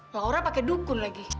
laura pakai dukun lagi